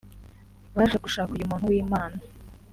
baje gushaka uyu muntu w’Imana…